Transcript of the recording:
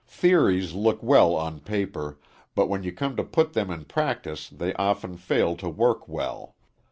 Theories look well on paper, but when you come to put them in practice they often fail to work well.